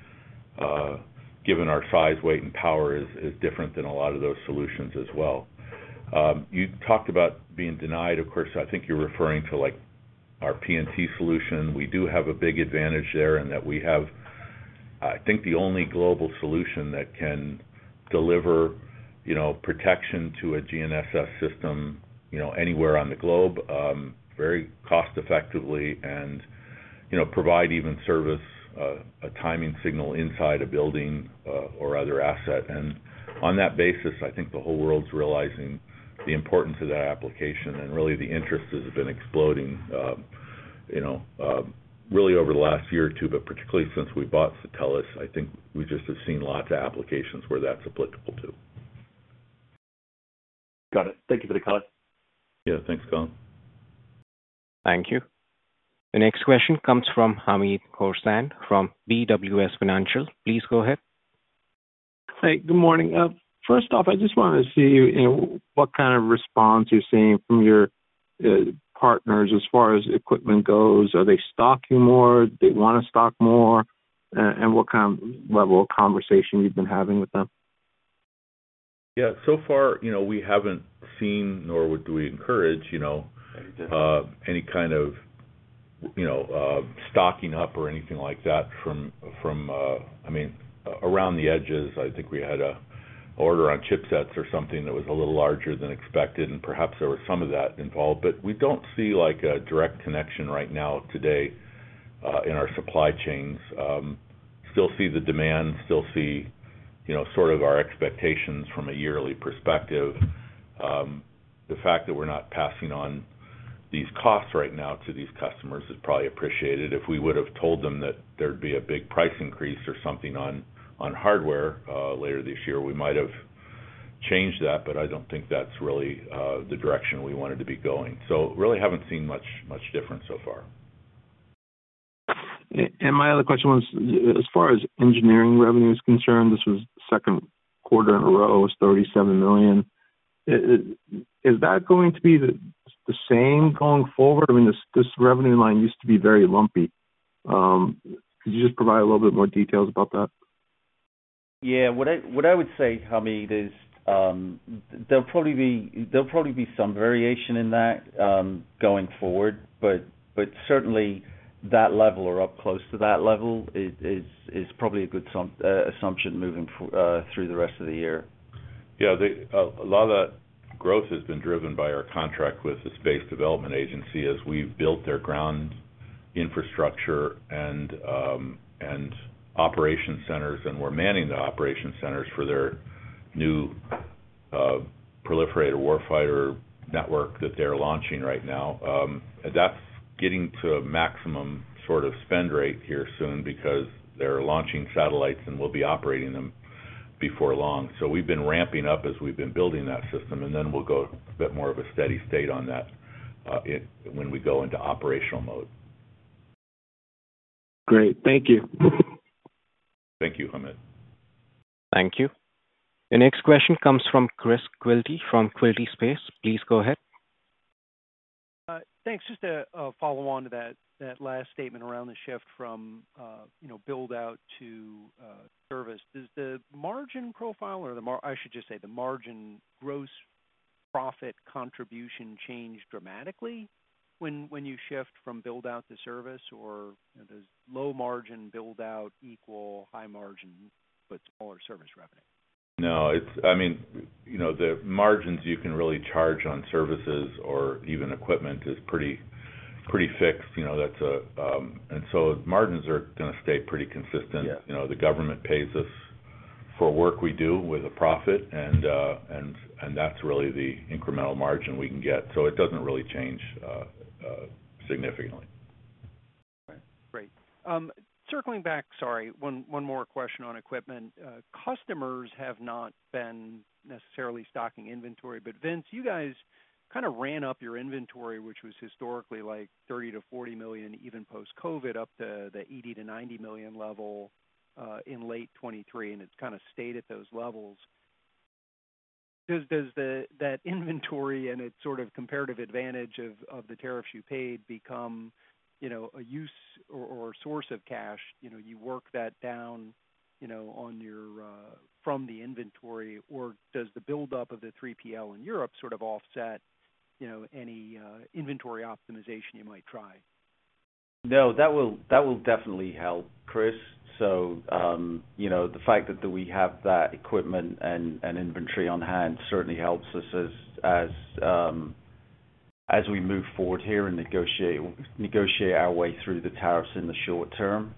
given our size, weight and power is different than a lot of those solutions as well. You talked about being denied, of course, I think you're referring to like our PNT solution. We do have a big advantage there in that we have, I think, the only global solution that can deliver protection to a GNSS system anywhere on the globe very cost effectively and provide even service, a timing signal inside a building or other asset. On that basis, I think the whole world's realizing the importance of that application and really the interest has been exploding, you know, really over the last year or two, but particularly since we bought Satellis, I think we just have seen lots of applications where that's applicable to. Got it. Thank you for the color. Yeah, thanks, Colin. Thank you. The next question comes from Hamed Khorsand from BWS Financial. Please go ahead. Hey, good morning. First off, I just want to see what kind of response you're seeing from your partners as far as equipment goes. Are they stocking more, they want to stock more, and what kind of level of conversation you've been having with them. Yeah, so far, you know, we haven't seen, nor would we encourage, you know, any kind of, you know, stocking up or anything like that from, I mean, around the edges. I think we had an order on chipsets or something that was a little larger than expected. And perhaps there was some of that involved. But we don't see like a direct connection right now today in our supply chains. Still see the demand, still see, you know, sort of our expectations from a yearly perspective. The fact that we're not passing on these costs right now to these customers is probably appreciated. If we would have told them that there'd be a big price increase or something on hardware later this year, we might have changed that. I don't think that's really the direction we wanted to be going. Really haven't seen much difference so far. My other question was, as far as engineering revenue is concerned, this was the second quarter in a row it was $37 million. Is that going to be the same going forward? I mean, this revenue line used to be very lumpy. Could you just provide a little bit more details about that? Yes, what I would say, Hamed, is there'll probably be some variation in that going forward, but certainly that level or up close to that level is probably a good assumption moving through the rest of the year. Yeah. A lot of that growth has been driven by our contract with the Space Development Agency as we've built their ground infrastructure and operation centers and we're manning the operation centers for their new proliferator warfighter network that they're launching right now. That's getting to a maximum sort of spend rate here soon because they're launching satellites and we'll be operating them before long. We've been ramping up as we've been building that system and then we'll go a bit more of a steady state on that when we go into operational mode. Great. Thank you. Thank you, Hamed. Thank you. The next question comes from Chris Quilty from Quilty Space. Please go ahead. Thanks. Just to follow on to that last statement, around the shift from build out to service, does the margin profile or the, I should just say, the margin, margin, gross profit contribution change dramatically when you shift from build out to service? Or does low margin build out equal high margin but smaller service revenue? No, I mean the margins you can really charge on services or even equipment is pretty fixed, and so margins are going to stay pretty consistent. The government pays us for work we do with a profit, and that's really the incremental margin we can get. It doesn't really change significantly. Great. Circling back. Sorry, one more question on equipment. Customers have not been necessarily stocking inventory. But Vince, you guys kind of ran up your inventory, which was historically like $30 million-$40 million even post Covid up to the $80 million-$90 million level in late 2023 and it's kind of stayed at those levels. Does that inventory and its sort of comparative advantage of the tariffs you paid become, you know, a use or source of cash? You know, you work that down, you know, on your from the inventory. Or does the buildup of the 3PL in Europe sort of offset, you know, any inventory optimization you might try? No, that will definitely help, Chris. The fact that we have that equipment and inventory on hand certainly helps us as we move forward here and negotiate our way through the tariffs in the short term.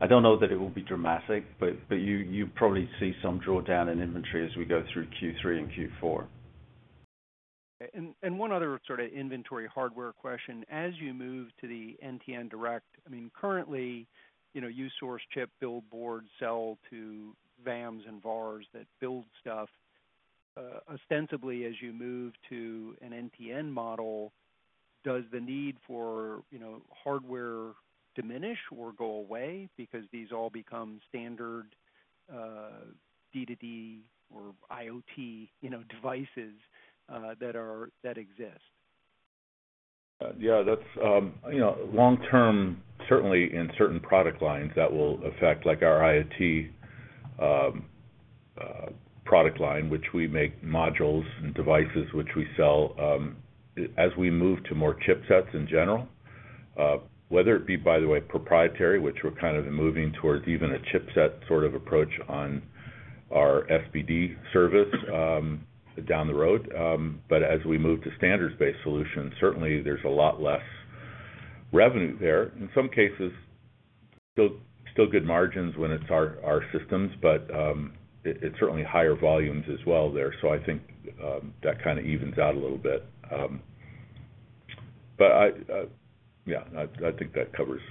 I do not know that it will be dramatic, but you probably see some drawdown in inventory as we go through Q3 and Q4. One other sort of inventory hardware question as you move to the NTN Direct. I mean currently, you know, you source chip, build board, sell to VAMs and VARs that build stuff ostensibly as you move to an NTN model, does the need for hardware diminish or go away because these all become standard D2D or IoT devices that exist? Yeah, that's long term. Certainly in certain product lines that will affect, like our IoT product line which we make modules and devices which we sell. As we move to more chipsets in general, whether it be, by the way, proprietary, which we're kind of moving towards, even a chipset sort of approach on our SBD service down the road. As we move to standards based solutions, certainly there's a lot less revenue there, in some cases still good margins when it's our systems, but it's certainly higher volumes as well there. I think that kind of evens out a little bit. Yeah, I think that covers.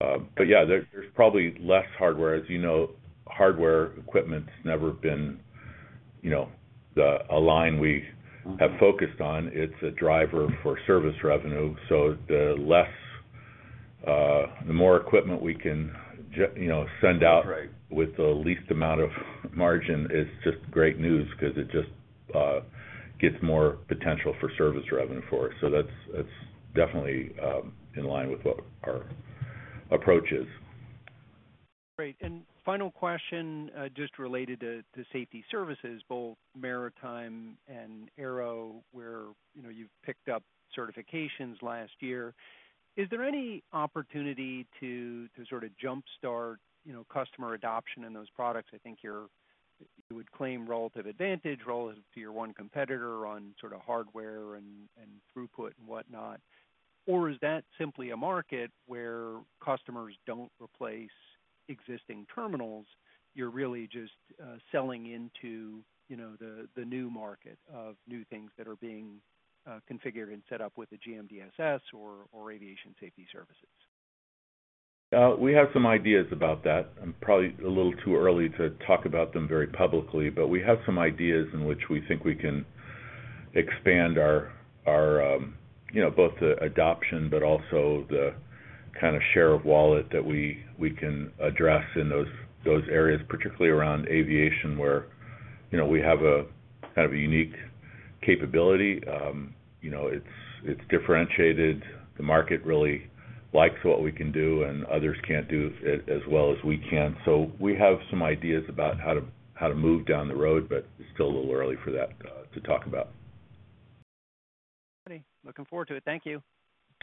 Yeah, there's probably less hardware. As you know, hardware equipment's never been, you know, a line we have focused on, it's a driver for service revenue. The more equipment we can, you know, send out with the least amount of margin is just great news because it just gets more potential for service revenue. That is definitely in line with what our approach is. Great. Final question, just related to safety services, both maritime and Aero, where you've picked up certifications last year, is there any opportunity to sort of jumpstart customer adoption in those products? I think you would claim relative advantage relative to your one competitor on sort of hardware and throughput and whatnot. Is that simply a market where customers don't replace existing terminals? You're really just selling into the new market of new things that are being configured and set up with the GMDSS or aviation safety services. We have some ideas about that. Probably a little too early to talk about them very publicly, but we have some ideas in which we think we can expand our, you know, both the adoption, but also the kind of share of wallet that we can address in those areas, particularly around aviation, where, you know, we have a kind of a unique capability. You know, it's differentiated. The market really likes what we can do and others can't do it as well as we can. We have some ideas about how to move down the road, but it's still a little early for that to talk about. Looking forward to it. Thank you.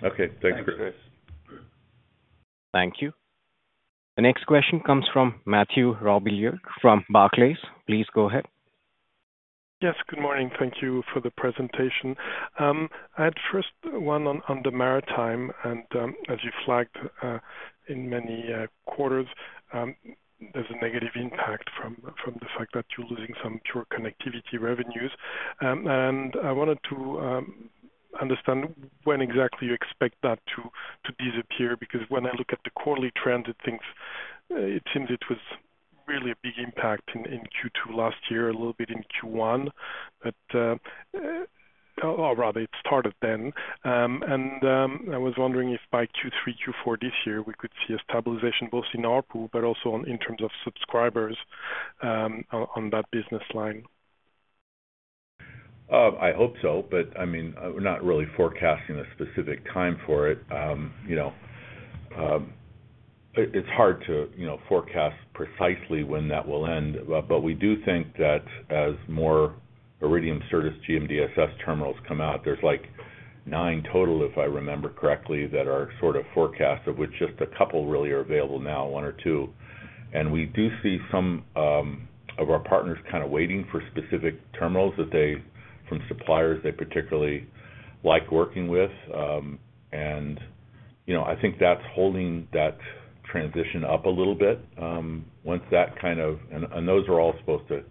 Okay, thanks, Chris. Thank you. The next question comes from Matthew Bouley from Barclays. Please go ahead. Yes, good morning. Thank you for the presentation. I had first one on the maritime and as you flagged in many quarters there's a negative impact from the fact that you're losing some pure connectivity revenues. I wanted to understand when exactly you expect that to disappear because when I look at the quarterly trends, it seems it was really a big impact in Q2 last year, a little bit in Q1 or rather it started then. I was wondering if by Q3, Q4 this year we could see stabilization both in ARPU, but also in terms of subscribers on that business line. I hope so. I mean, we're not really forecasting a specific time for it. You know, it's hard to forecast precisely when that will end. We do think that as more Iridium Certus GMDSS terminals come out, there's like nine total, if I remember correctly, that are sort of forecast, of which just a couple really are available now, one or two. We do see some of our partners kind of waiting for specific terminals from suppliers they particularly like working with. You know, I think that's holding that transition up a little bit once that kind of—and those are all supposed to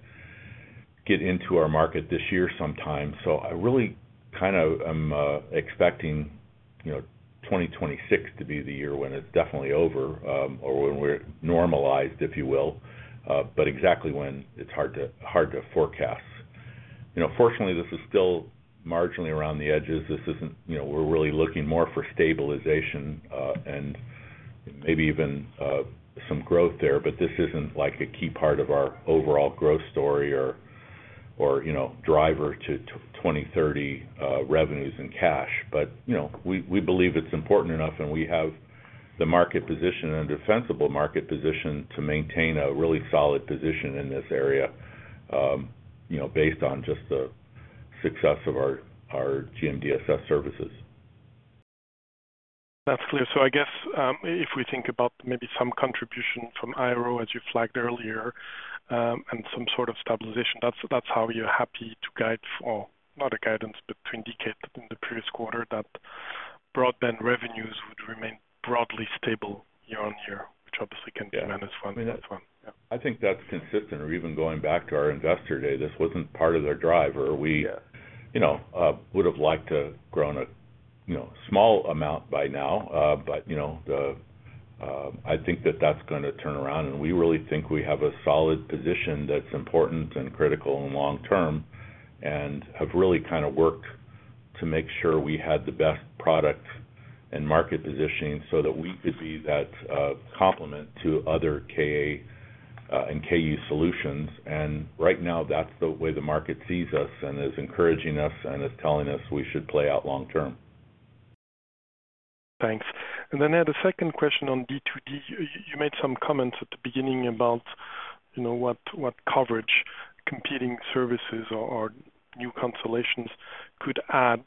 get into our market this year sometime. I really kind of am expecting 2026 to be the year when it's definitely over or when we're normalized, if you will, but exactly when, it's hard to say. Hard to forecast. You know, fortunately this is still marginally around the edges. This isn't, you know, we're really looking more for stabilization and maybe even some growth there. This isn't like a key part of our overall growth story or driver to 2030 revenues and cash. We believe it's important enough and we have the market position and defensible market position to maintain a really solid position in this area based on just the success of our GMDSS services. That's clear. I guess if we think about maybe some contribution from IrO as you flagged earlier, and some sort of stabilization, that's how you're happy to guide or not a guidance but to indicate in the previous quarter that broadband revenues would remain broadly stable year on year, which obviously can be minus one. I think that's consistent or even going back to our investor day, this wasn't part of their driver. We would have liked to grow a small amount by now, but I think that that's going to turn around and we really think we have a solid position that's important and critical and long term and have really kind of worked to make sure we had the best product and market positioning so that we could be that complement to other Ka and Ku solutions. Right now that's the way the market sees us and is encouraging us and is telling us we should play out long term. Thanks. I had a second question on D2D. You made some comments at the beginning about, you know, what coverage competing services or new constellations could add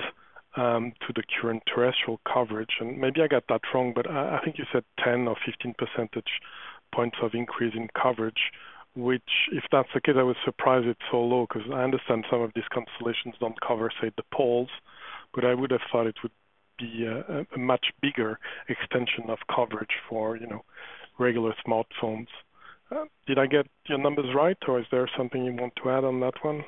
to the current terrestrial coverage. Maybe I got that wrong, but I think you said 10 or 15 percentage points of increase in coverage, which if that's the case, I was surprised it's so low because I understand some of these constellations don't cover, say, the poles, but I would have thought it would be a much bigger extension of coverage for regular smartphones. Did I get your numbers right or is there something you want to add on that one?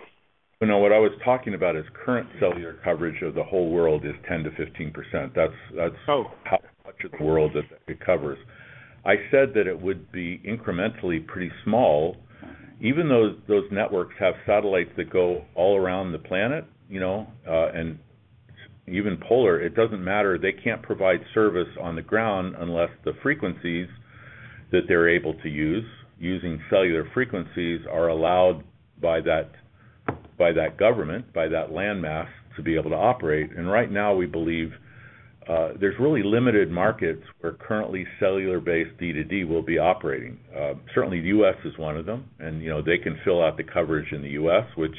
What I was talking about is current cellular coverage of the whole world is 10%-15%. That's how much of the world it covers. I said that it would be incrementally pretty small. Even though those networks have satellites that go all around the planet, you know, and even polar, it doesn't matter. They can't provide service on the ground. Unless the frequencies that they're able to use, using cellular frequencies, are allowed by that government, by that land mass to be able to operate. Right now we believe there's really limited markets where currently cellular-based D2D will be operating. Certainly the U.S. is one of them. They can fill out the coverage in the U.S., which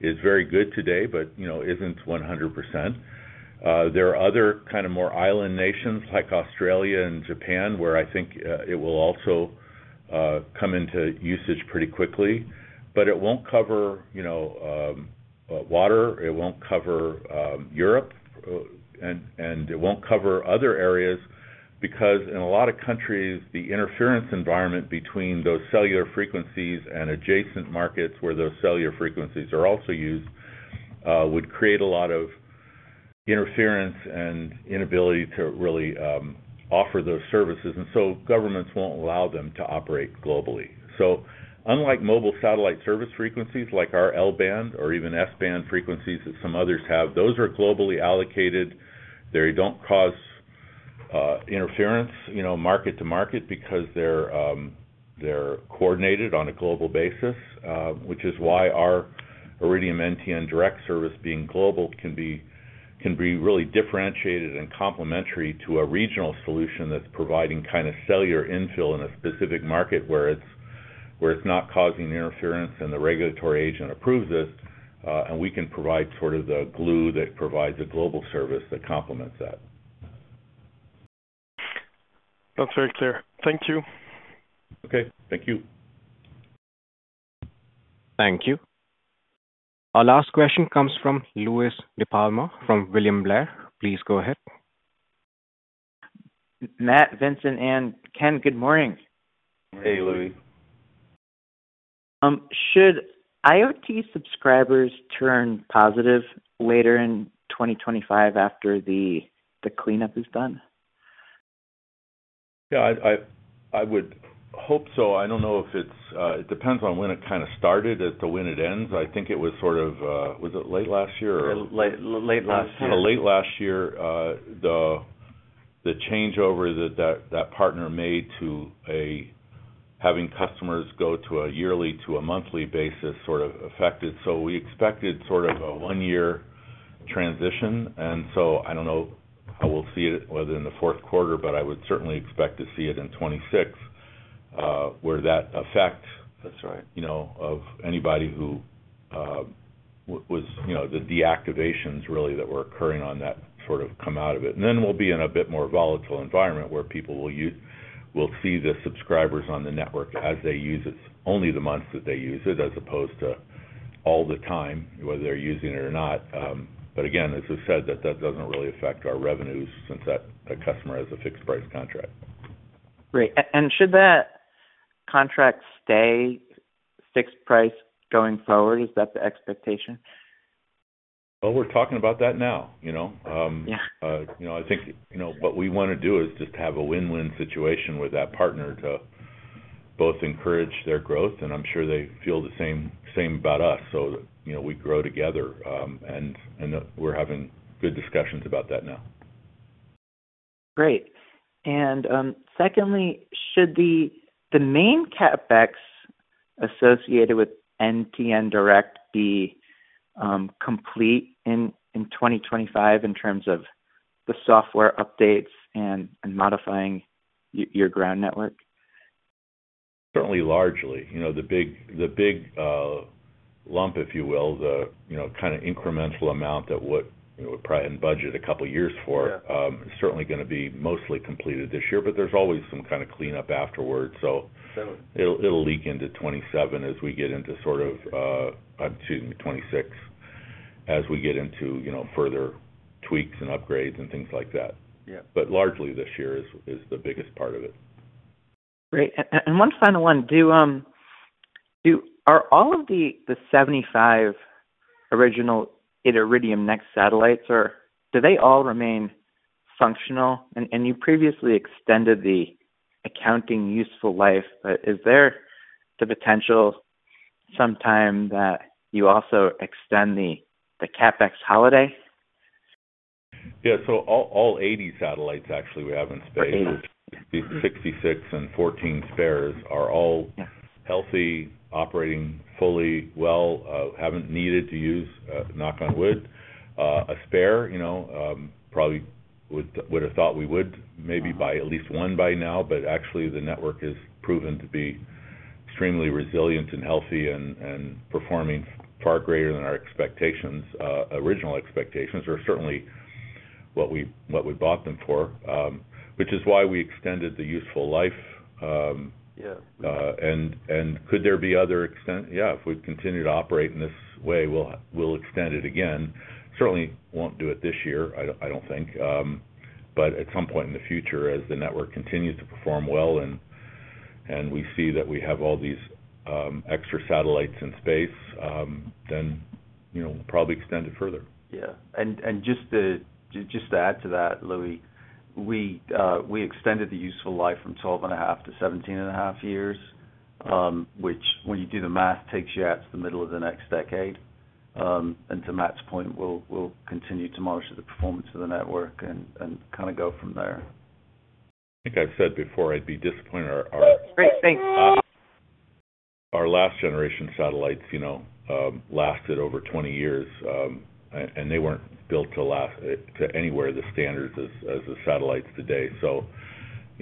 is very good today, but isn't 100%. There are other kind of more island nations like Australia and Japan, where I think it will also come into usage pretty quickly, but it won't cover water, it won't cover Europe, and it won't cover other areas because in a lot of countries the interference environment between those cellular frequencies and adjacent markets where those cellular frequencies are also used would create a lot of interference and inability to really offer those services. Governments won't allow them to operate globally. Unlike mobile satellite service frequencies like. Our L-band or even S-band frequencies that some others have, those are globally allocated. They don't cause interference, you know, market to market, because they're coordinated on a global basis. Which is why our Iridium NTN Direct service, being global, can be really differentiated and complementary to a regional solution that's providing kind of cellular infill in a specific market where it's not causing interference. The regulatory agent approves this and we can provide sort of the glue that provides a global service that complements that. That's very clear. Thank you. Okay, thank you. Thank you. Our last question comes from Louie DiPalma, from William Blair. Please go ahead. Matt, Vincent, and Ken, good morning. Hey, Louie. Should IoT subscribers turn positive later in 2025 after the cleanup is done? Yeah, I would hope so. I don't know if it's—it depends on when it kind of started to, when it ends. I think it was sort of, was it late last year or late last year? Late last year. The changeover that partner made to having customers go to a yearly, to a monthly basis sort of affected. We expected sort of a one year transition. I don't know how we'll see it whether in the fourth quarter, but I would certainly expect to see it in 2026 where that effect. That's right, you know, of anybody who was, you know, the deactivations really that were occurring on that sort of come out of it. Then we'll be in a bit more volatile environment where people will use, will see the subscribers on the network as they use it only the month to they use it as opposed to all the time, whether they're using it or not. Again, as I said, that doesn't really affect our revenues since that customer has a fixed price contract. Great. Should that contract stay fixed price going forward? Is that the expectation? We're talking about that now. You know, I think, you know, what we want to do is just have a win-win situation with that partner to both encourage their growth and I'm sure they feel the same about us. So we grow together and we're having good discussions about that now. Great. Secondly, should the main CapEx associated with NTN Direct be complete in 2025 in terms of the software updates and modifying your ground network? Certainly, largely, you know, the big lump, if you will, the, you know, kind of incremental amount that we probably hadn't budgeted a couple years for is certainly going to be mostly completed this year, but there's always some kind of cleanup afterwards. So it'll leak into 2026 as we get into sort of, excuse me, further tweaks and upgrades and things like that. But largely this year is the biggest part of it. Great. One final one. Are all of the 75 original Iridium NEXT satellites, or do they all remain functional, and you previously extended the accounting useful life, is there the potential sometime that you also extend the CapEx holiday? Yeah. All 80 satellites, actually we have in space 66 and 14 spares, are all healthy, operating fully well. Haven't needed to use, knock on wood, a spare. You know, probably would have thought we would maybe buy at least one by now, but actually the network has proven to be extremely resilient and healthy and performing far greater than our expectations. Original expectations are certainly what we bought them for, which is why we extended the useful life. Could there be other extent? Yeah, if we continue to operate in this way, we'll extend it again. Certainly won't do it this year, I don't think, but at some point in the future, as the network continues to perform well and we see that we have all these extra satellites in space, then we'll probably extend it further. Yeah. Just to add to that, Louie, we extended the useful life from 12 and a half to 17 and a half years, which when you do the math takes you out to the middle of the next decade. To Matt's point, we'll continue to monitor the performance of the network and kind of go from there. I think I've said before I'd be disappointed. Great, thanks. Our last generation satellites, you know, lasted over 20 years and they were not built to last to anywhere the standards as the satellites today. You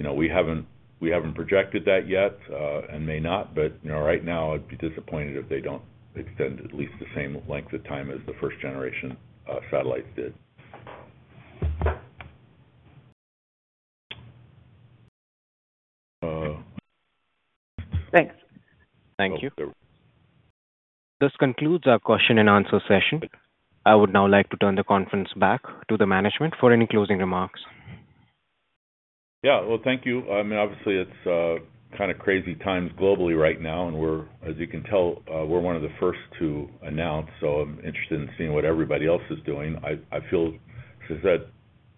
know, we have not projected that yet and may not, but right now disappointed if they do not extend at least the same length of time as the first generation satellites did. Thanks. Thank you. This concludes our question and answer session. I would now like to turn the conference back to the management for any closing remarks. Yeah, thank you. I mean, obviously it's kind of crazy times globally right now and we're, as you can tell, we're one of the first to announce. I'm interested in seeing what everybody else is doing. I feel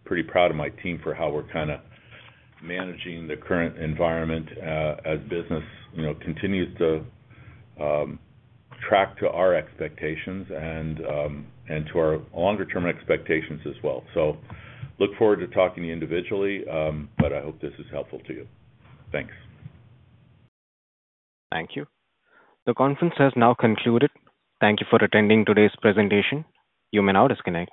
pretty proud of my team for how we're kind of managing the current environment as business continues to track to our expectations and to our longer term expectations as well. I look forward to talking to you individually, but I hope this is helpful to you. Thanks. Thank you. The conference has now concluded. Thank you for attending today's presentation. You may now disconnect.